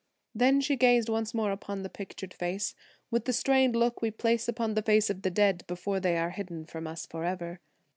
Then she gazed once more upon the pictured face with the strained look we place upon the face of the dead before they are hidden from us forever.